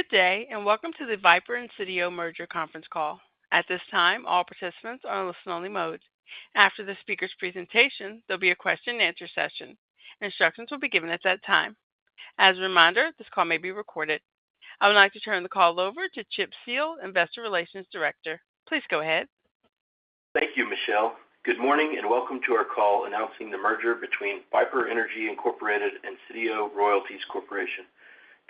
Good day, and welcome to the Viper Energy merger conference call. At this time, all participants are in listen-only mode. After the speaker's presentation, there'll be a question-and-answer session. Instructions will be given at that time. As a reminder, this call may be recorded. I would like to turn the call over to Chip Seale, Investor Relations Director. Please go ahead. Thank you, Michelle. Good morning, and welcome to our call announcing the merger between Viper Energy and Sitio Royalties Corporation.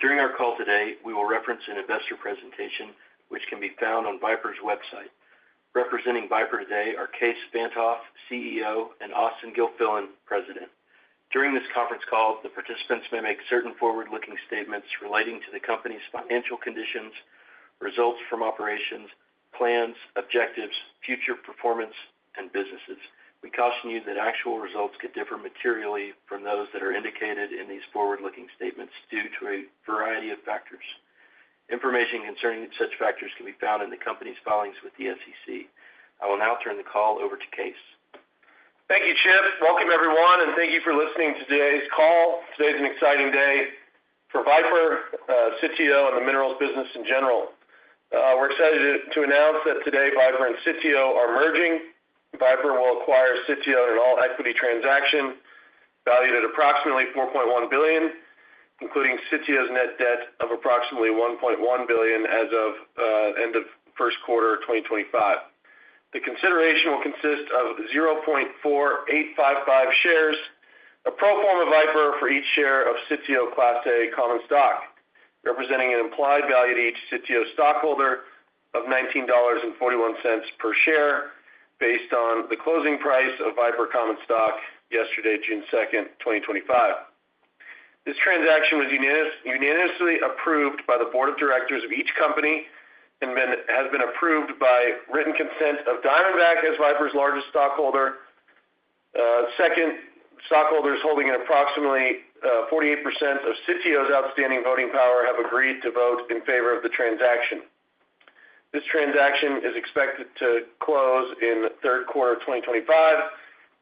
During our call today, we will reference an investor presentation, which can be found on Viper's website. Representing Viper today are Kaes Van't Hof, CEO, and Austen Gilfillian, President. During this conference call, the participants may make certain forward-looking statements relating to the company's financial conditions, results from operations, plans, objectives, future performance, and businesses. We caution you that actual results could differ materially from those that are indicated in these forward-looking statements due to a variety of factors. Information concerning such factors can be found in the company's filings with the SEC. I will now turn the call over to Kaes. Thank you, Chip. Welcome, everyone, and thank you for listening to today's call. Today's an exciting day for Viper, Sitio, and the minerals business in general. We're excited to announce that today Viper and Sitio are merging. Viper will acquire Sitio in an all-equity transaction valued at approximately $4.1 billion, including Sitio's net debt of approximately $1.1 billion as of end of first quarter 2025. The consideration will consist of 0.4855 shares of pro forma Viper for each share of Sitio Class A common stock, representing an implied value to each Sitio stockholder of $19.41 per share based on the closing price of Viper common stock yesterday, June 2, 2025. This transaction was unanimously approved by the board of directors of each company and has been approved by written consent of Diamondback as Viper's largest stockholder. Second, stockholders holding in approximately 48% of CTO's outstanding voting power have agreed to vote in favor of the transaction. This transaction is expected to close in third quarter 2025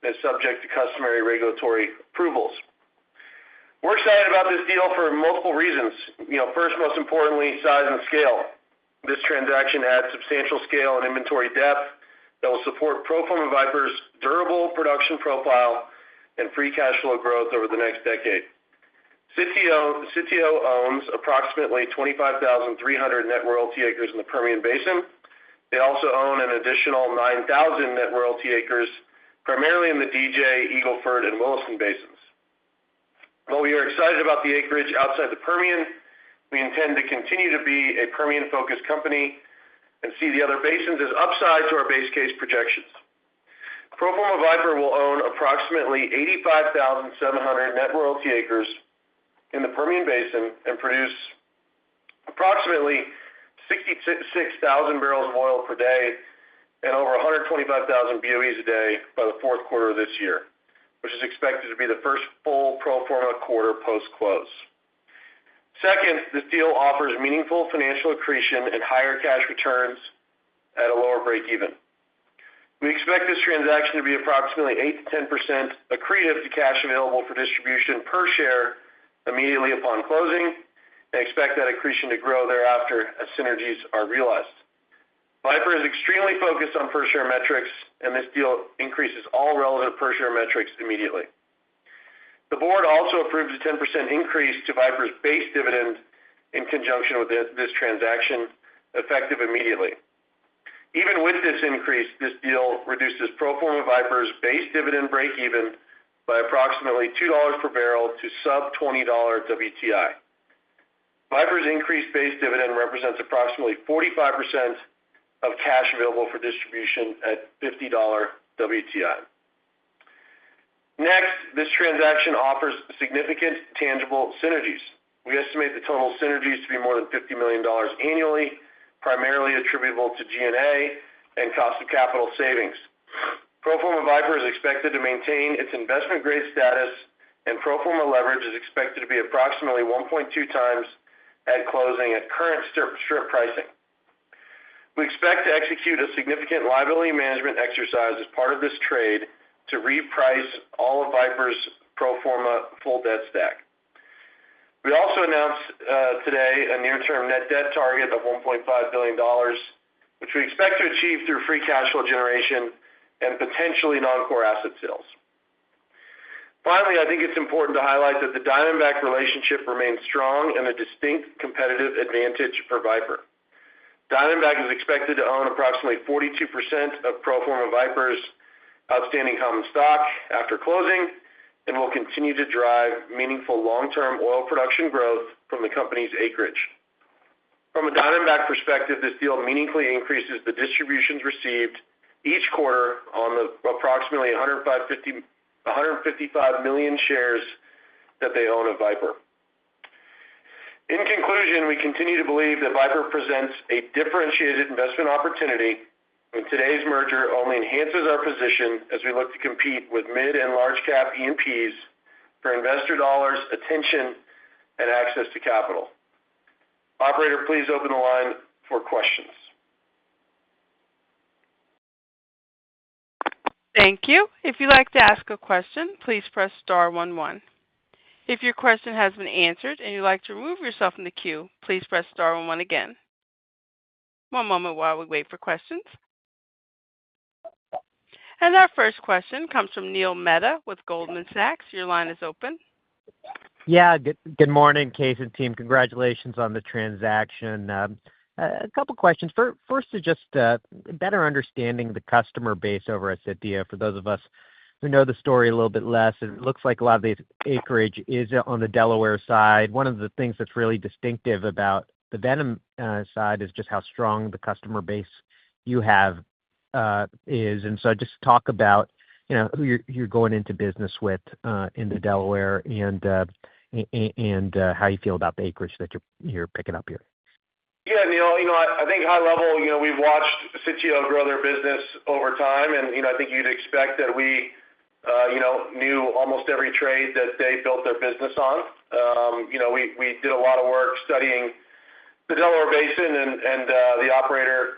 and is subject to customary regulatory approvals. We're excited about this deal for multiple reasons. First, most importantly, size and scale. This transaction adds substantial scale and inventory depth that will support pro forma Viper's durable production profile and free cash flow growth over the next decade. CTO owns approximately 25,300 net royalty acres in the Permian Basin. They also own an additional 9,000 net royalty acres primarily in the DJ, Eagle Ford, and Williston basins. While we are excited about the acreage outside the Permian, we intend to continue to be a Permian-focused company and see the other basins as upside to our base case projections. Pro forma Viper will own approximately 85,700 net royalty acres in the Permian Basin and produce approximately 66,000 barrels of oil per day and over 125,000 BOEs a day by the fourth quarter of this year, which is expected to be the first full pro forma quarter post-close. Second, this deal offers meaningful financial accretion and higher cash returns at a lower breakeven. We expect this transaction to be approximately 8%-10% accretive to cash available for distribution per share immediately upon closing and expect that accretion to grow thereafter as synergies are realized. Viper is extremely focused on per-share metrics, and this deal increases all relative per-share metrics immediately. The board also approved a 10% increase to Viper's base dividend in conjunction with this transaction, effective immediately. Even with this increase, this deal reduces pro forma Viper's base dividend breakeven by approximately $2 per barrel to sub-$20 WTI. Viper's increased base dividend represents approximately 45% of cash available for distribution at $50 WTI. Next, this transaction offers significant tangible synergies. We estimate the total synergies to be more than $50 million annually, primarily attributable to G&A and cost of capital savings. Pro forma Viper is expected to maintain its investment-grade status, and pro forma leverage is expected to be approximately 1.2 times at closing at current strip pricing. We expect to execute a significant liability management exercise as part of this trade to reprice all of Viper's pro forma full debt stack. We also announced today a near-term net debt target of $1.5 billion, which we expect to achieve through free cash flow generation and potentially non-core asset sales. Finally, I think it's important to highlight that the Diamondback relationship remains strong and a distinct competitive advantage for Viper. Diamondback is expected to own approximately 42% of pro forma Viper's outstanding common stock after closing and will continue to drive meaningful long-term oil production growth from the company's acreage. From a Diamondback perspective, this deal meaningfully increases the distributions received each quarter on the approximately 155 million shares that they own of Viper. In conclusion, we continue to believe that Viper presents a differentiated investment opportunity, and today's merger only enhances our position as we look to compete with mid and large-cap E&Ps for investor dollars, attention, and access to capital. Operator, please open the line for questions. Thank you. If you'd like to ask a question, please press star one one. If your question has been answered and you'd like to remove yourself from the queue, please press star one one again. One moment while we wait for questions. Our first question comes from Neil Mehta with Goldman Sachs. Your line is open. Yeah. Good morning, Kaes and team. Congratulations on the transaction. A couple of questions. First, just better understanding the customer base over at Sitio. For those of us who know the story a little bit less, it looks like a lot of the acreage is on the Delaware side. One of the things that's really distinctive about the Viper side is just how strong the customer base you have is. Just talk about who you're going into business with in the Delaware and how you feel about the acreage that you're picking up here. Yeah. I think high level, we've watched Sitio grow their business over time, and I think you'd expect that we knew almost every trade that they built their business on. We did a lot of work studying the Delaware Basin and the operator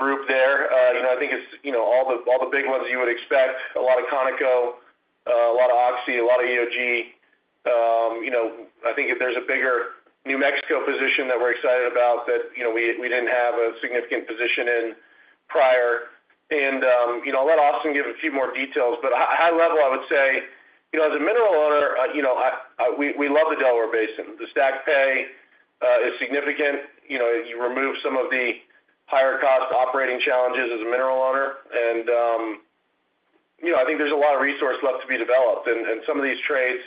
group there. I think it's all the big ones you would expect: a lot of Conoco, a lot of Oxy, a lot of EOG. I think if there's a bigger New Mexico position that we're excited about that we didn't have a significant position in prior. I'll let Austen give a few more details, but high level, I would say as a mineral owner, we love the Delaware Basin. The stack pay is significant. You remove some of the higher-cost operating challenges as a mineral owner, and I think there's a lot of resource left to be developed. Some of these trades,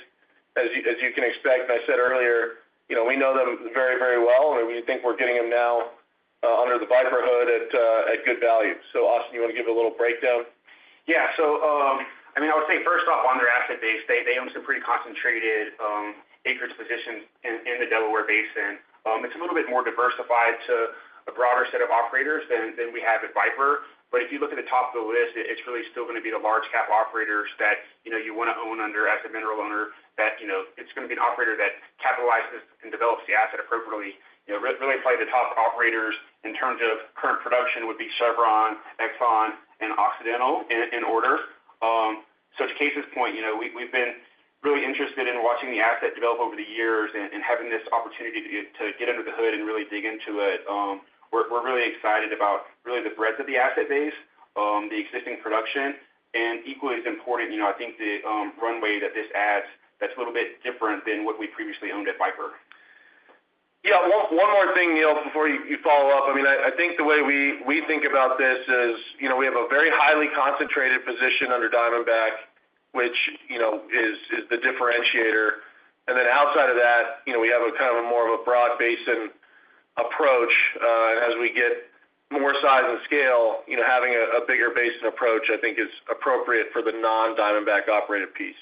as you can expect, and I said earlier, we know them very, very well, and we think we're getting them now under the Viper hood at good value. Austen, you want to give a little breakdown? Yeah. So I mean, I would say first off, on their asset base, they own some pretty concentrated acreage positions in the Delaware Basin. It's a little bit more diversified to a broader set of operators than we have at Viper. But if you look at the top of the list, it's really still going to be the large-cap operators that you want to own under as a mineral owner that it's going to be an operator that capitalizes and develops the asset appropriately. Really, probably the top operators in terms of current production would be Chevron, ExxonMobil, and Occidental in order. To Case's point, we've been really interested in watching the asset develop over the years and having this opportunity to get under the hood and really dig into it. We're really excited about really the breadth of the asset base, the existing production, and equally as important, I think the runway that this adds that's a little bit different than what we previously owned at Viper. Yeah. One more thing, Neil, before you follow up. I mean, I think the way we think about this is we have a very highly concentrated position under Diamondback, which is the differentiator. Then outside of that, we have kind of more of a broad basin approach. As we get more size and scale, having a bigger basin approach, I think, is appropriate for the non-Diamondback operator piece.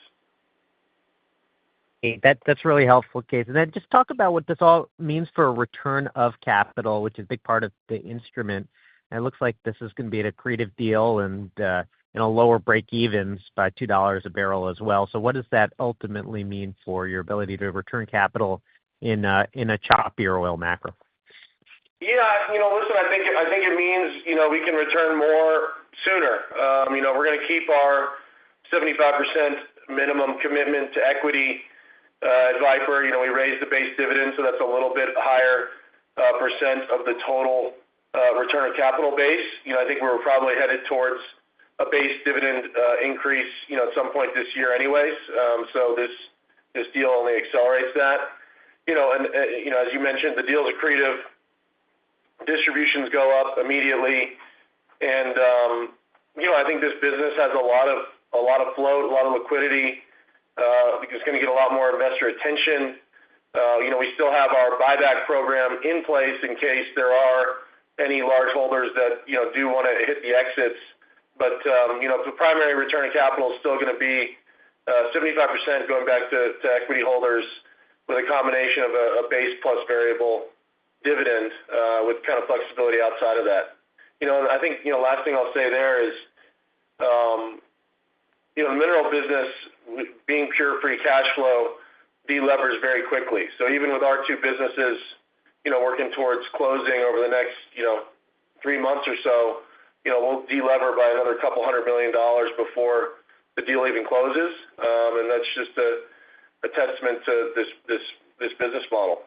That's really helpful, Case. Just talk about what this all means for a return of capital, which is a big part of the instrument. It looks like this is going to be an accretive deal and lower breakevens by $2 a barrel as well. What does that ultimately mean for your ability to return capital in a choppier oil macro? Yeah. Listen, I think it means we can return more sooner. We're going to keep our 75% minimum commitment to equity at Viper. We raised the base dividend, so that's a little bit higher % of the total return of capital base. I think we're probably headed towards a base dividend increase at some point this year anyways. This deal only accelerates that. As you mentioned, the deal's accretive. Distributions go up immediately. I think this business has a lot of float, a lot of liquidity. It's going to get a lot more investor attention. We still have our buyback program in place in case there are any large holders that do want to hit the exits. The primary return of capital is still going to be 75% going back to equity holders with a combination of a base plus variable dividend with kind of flexibility outside of that. I think last thing I'll say there is the mineral business, being pure free cash flow, delevers very quickly. Even with our two businesses working towards closing over the next three months or so, we'll delever by another couple hundred million dollars before the deal even closes. That is just a testament to this business model.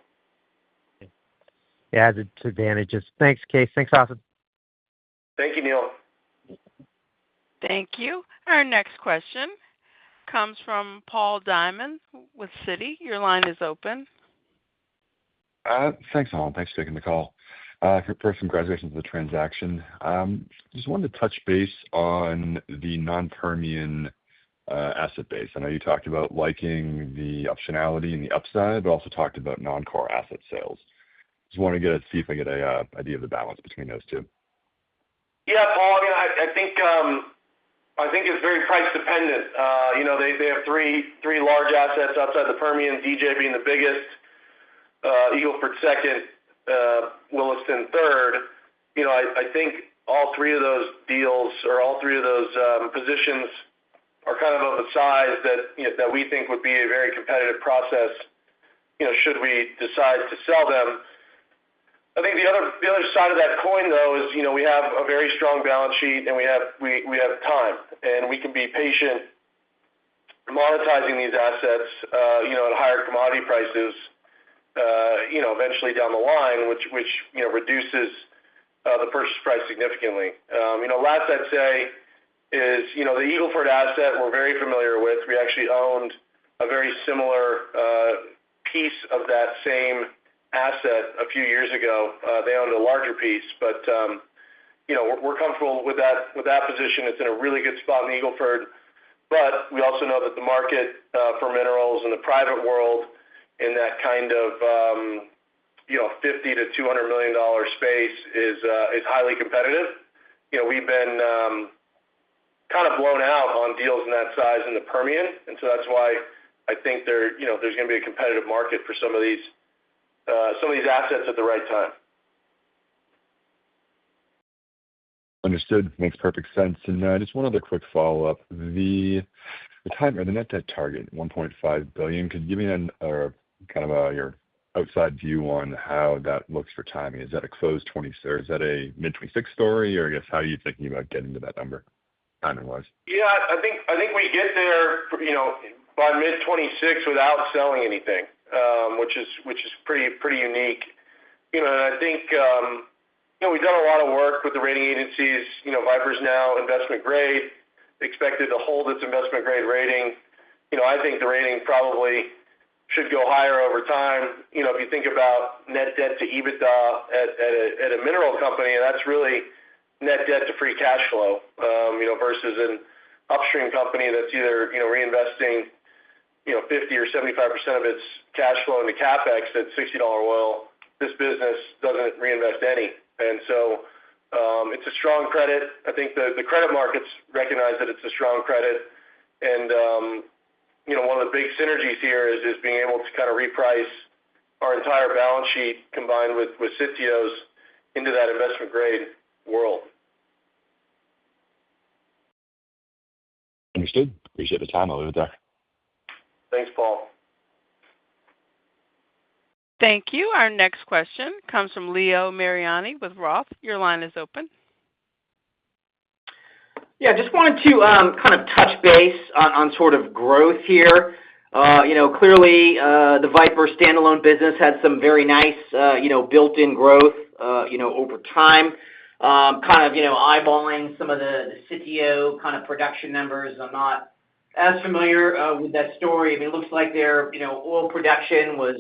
Yeah. It's advantageous. Thanks, Kaes. Thanks, Austen. Thank you, Neil. Thank you. Our next question comes from Paul Diamond with Citigroup. Your line is open. Thanks, Allen. Thanks for taking the call. First, congratulations on the transaction. Just wanted to touch base on the non-Permian asset base. I know you talked about liking the optionality and the upside, but also talked about non-core asset sales. Just wanted to see if I get an idea of the balance between those two. Yeah, Paul. I think it's very price-dependent. They have three large assets outside the Permian, DJ being the biggest, Eagle Ford second, Williston third. I think all three of those deals or all three of those positions are kind of of a size that we think would be a very competitive process should we decide to sell them. I think the other side of that coin, though, is we have a very strong balance sheet and we have time. We can be patient monetizing these assets at higher commodity prices eventually down the line, which reduces the purchase price significantly. Last I'd say is the Eagle Ford asset we're very familiar with. We actually owned a very similar piece of that same asset a few years ago. They owned a larger piece, but we're comfortable with that position. It's in a really good spot in Eagle Ford. We also know that the market for minerals in the private world in that kind of $50 million-$200 million space is highly competitive. We've been kind of blown out on deals in that size in the Permian. That is why I think there's going to be a competitive market for some of these assets at the right time. Understood. Makes perfect sense. Just one other quick follow-up. The net debt target, $1.5 billion, could you give me kind of your outside view on how that looks for timing? Is that a close 2026? Or is that a mid-2026 story? I guess, how are you thinking about getting to that number timing-wise? Yeah. I think we get there by mid-2026 without selling anything, which is pretty unique. I think we've done a lot of work with the rating agencies. Viper's now investment grade. Expected to hold its investment grade rating. I think the rating probably should go higher over time. If you think about net debt-to-EBITDA at a mineral company, that's really net debt to free cash flow versus an upstream company that's either reinvesting 50% or 75% of its cash flow into CapEx at $60 oil. This business doesn't reinvest any. It's a strong credit. I think the credit markets recognize that it's a strong credit. One of the big synergies here is being able to kind of reprice our entire balance sheet combined with Sitio's into that investment-grade world. Understood. Appreciate the time. I'll leave it there. Thanks, Paul. Thank you. Our next question comes from Leo Mariani with ROTH. Your line is open. Yeah. Just wanted to kind of touch base on sort of growth here. Clearly, the Viper standalone business had some very nice built-in growth over time. Kind of eyeballing some of the Sitio kind of production numbers, I'm not as familiar with that story. I mean, it looks like their oil production was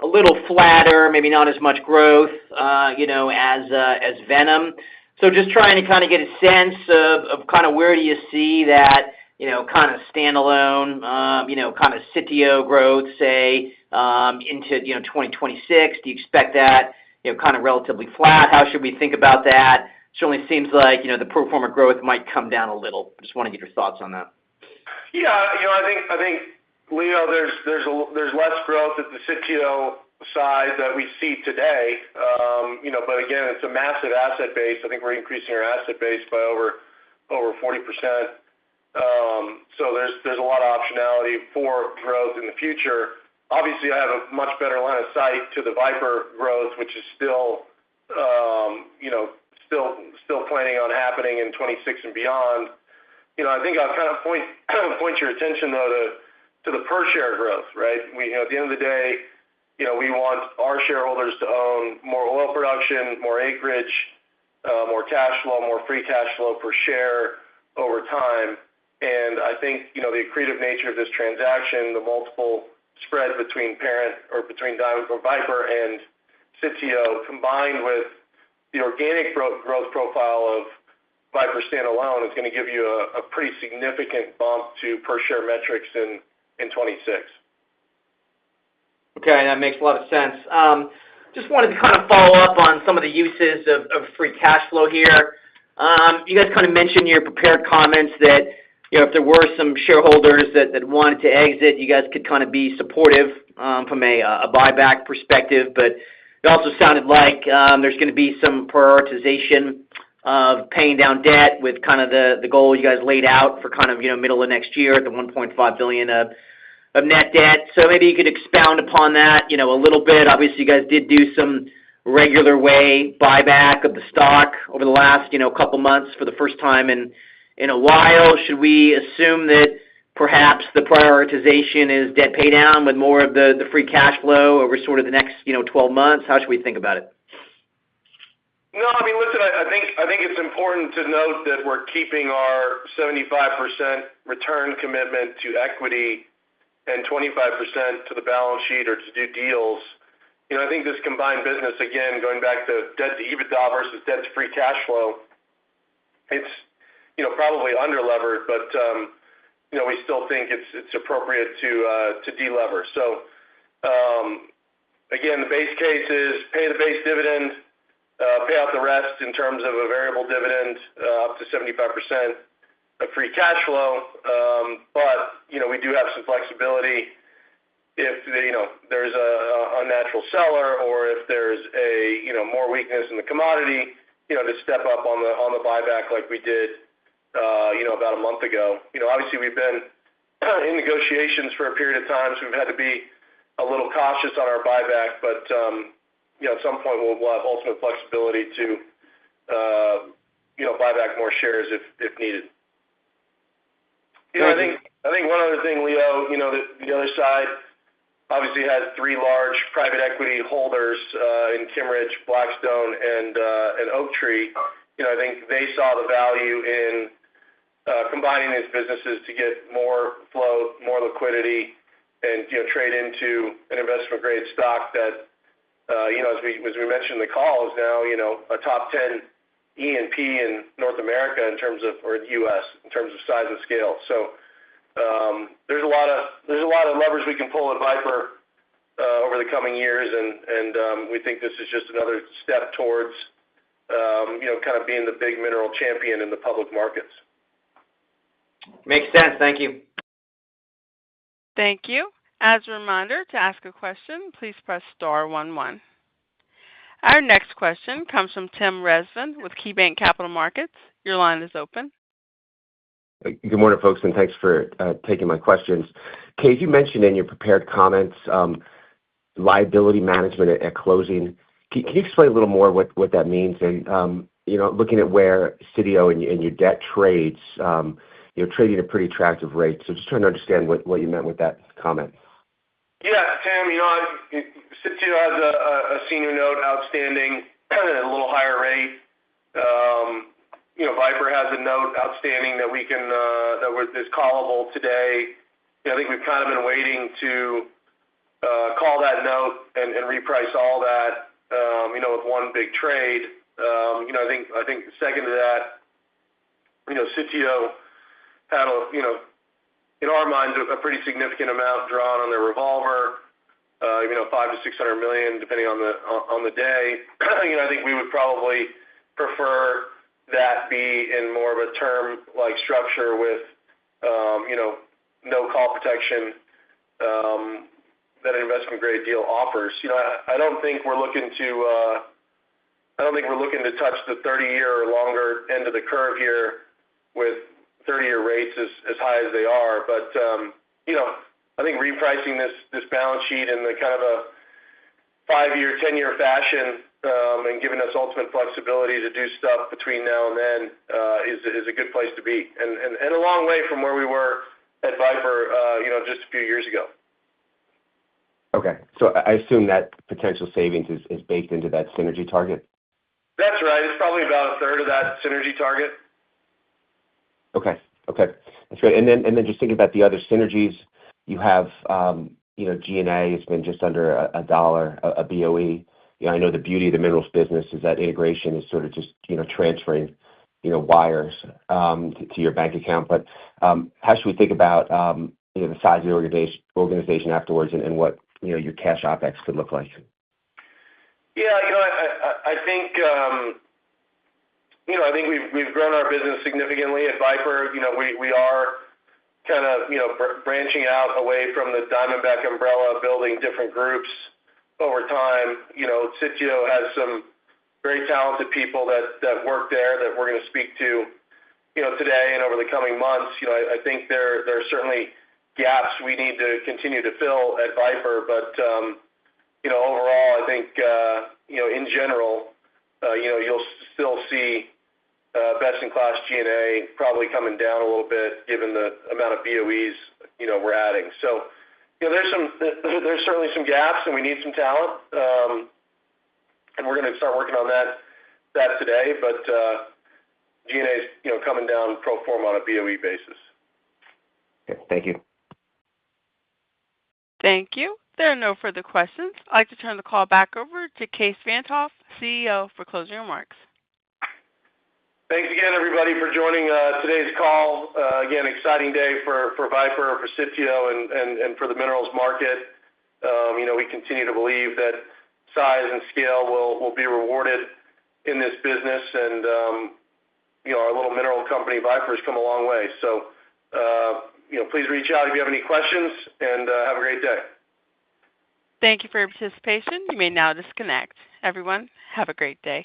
a little flatter, maybe not as much growth as Viper. So just trying to kind of get a sense of kind of where do you see that kind of standalone, kind of Sitio growth, say, into 2026? Do you expect that kind of relatively flat? How should we think about that? Certainly seems like the pro forma growth might come down a little. Just wanted to get your thoughts on that. Yeah. I think, Leo, there's less growth at the Sitio side that we see today. Again, it's a massive asset base. I think we're increasing our asset base by over 40%. There's a lot of optionality for growth in the future. Obviously, I have a much better line of sight to the Viper growth, which is still planning on happening in 2026 and beyond. I think I'll kind of point your attention, though, to the per-share growth, right? At the end of the day, we want our shareholders to own more oil production, more acreage, more cash flow, more free cash flow per share over time. I think the accretive nature of this transaction, the multiple spread between Viper and Sitio, combined with the organic growth profile of Viper standalone, is going to give you a pretty significant bump to per-share metrics in 2026. Okay. That makes a lot of sense. Just wanted to kind of follow up on some of the uses of free cash flow here. You guys kind of mentioned in your prepared comments that if there were some shareholders that wanted to exit, you guys could kind of be supportive from a buyback perspective. It also sounded like there's going to be some prioritization of paying down debt with kind of the goal you guys laid out for kind of middle of next year, the $1.5 billion of net debt. Maybe you could expound upon that a little bit. Obviously, you guys did do some regular way buyback of the stock over the last couple of months for the first time in a while. Should we assume that perhaps the prioritization is debt paydown with more of the free cash flow over sort of the next 12 months? How should we think about it? No. I mean, listen, I think it's important to note that we're keeping our 75% return commitment to equity and 25% to the balance sheet or to do deals. I think this combined business, again, going back to debt-to-EBITDA versus debt to free cash flow, it's probably underlevered, but we still think it's appropriate to delever. Again, the base case is pay the base dividend, pay out the rest in terms of a variable dividend up to 75% of free cash flow. We do have some flexibility if there's a natural seller or if there's more weakness in the commodity to step up on the buyback like we did about a month ago. Obviously, we've been in negotiations for a period of time, so we've had to be a little cautious on our buyback. At some point, we'll have ultimate flexibility to buy back more shares if needed. I think one other thing, Leo, the other side obviously has three large private equity holders in Kimmeridge, Blackstone, and Oaktree. I think they saw the value in combining these businesses to get more flow, more liquidity, and trade into an investment-grade stock that, as we mentioned in the call, is now a top 10 E&P in the U.S. in terms of or the U.S. in terms of size and scale. There are a lot of levers we can pull at Viper over the coming years. We think this is just another step towards kind of being the big mineral champion in the public markets. Makes sense. Thank you. Thank you. As a reminder, to ask a question, please press star one one. Our next question comes from Tim Rezvan with KeyBank Capital Markets. Your line is open. Good morning, folks. Thanks for taking my questions. Case, you mentioned in your prepared comments liability management at closing. Can you explain a little more what that means? Looking at where Sitio and your debt trades, trading at pretty attractive rates. Just trying to understand what you meant with that comment. Yeah. Sam, Sitio has a senior note outstanding, a little higher rate. Viper has a note outstanding that we can, that is callable today. I think we've kind of been waiting to call that note and reprice all that with one big trade. I think second to that, Sitio had, in our minds, a pretty significant amount drawn on their revolver, $500 million-$600 million, depending on the day. I think we would probably prefer that be in more of a term-like structure with no call protection that an investment-grade deal offers. I don't think we're looking to, I don't think we're looking to touch the 30-year or longer end of the curve here with 30-year rates as high as they are. I think repricing this balance sheet in kind of a five year, 10-year fashion and giving us ultimate flexibility to do stuff between now and then is a good place to be and a long way from where we were at Viper just a few years ago. Okay. So I assume that potential savings is baked into that synergy target? That's right. It's probably about a third of that synergy target. Okay. Okay. That's good. And then just thinking about the other synergies, you have G&A has been just under $1 a BOE. I know the beauty of the minerals business is that integration is sort of just transferring wires to your bank account. But how should we think about the size of the organization afterwards and what your cash OpEx could look like? Yeah. I think we've grown our business significantly at Viper. We are kind of branching out away from the Diamondback umbrella, building different groups over time. Sitio has some very talented people that work there that we're going to speak to today and over the coming months. I think there are certainly gaps we need to continue to fill at Viper. Overall, I think in general, you'll still see best-in-class G&A probably coming down a little bit given the amount of BOEs we're adding. There are certainly some gaps, and we need some talent. We're going to start working on that today. G&A is coming down pro forma on a BOE basis. Okay. Thank you. Thank you. There are no further questions. I'd like to turn the call back over to Kaes Van't Hof, CEO, for closing remarks. Thanks again, everybody, for joining today's call. Again, exciting day for Viper, for Sitio, and for the minerals market. We continue to believe that size and scale will be rewarded in this business. And our little mineral company, Viper, has come a long way. Please reach out if you have any questions, and have a great day. Thank you for your participation. You may now disconnect. Everyone, have a great day.